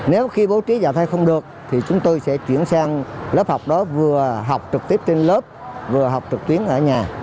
nếu khi bố trí nhà thay không được thì chúng tôi sẽ chuyển sang lớp học đó vừa học trực tiếp trên lớp vừa học trực tuyến ở nhà